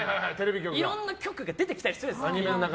いろんな局が出てきたりするんです。